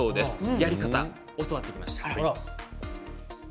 やり方を教わってきました。